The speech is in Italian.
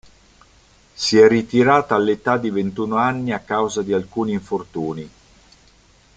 Si è ritirata all'età di ventuno anni a causa di alcuni infortuni.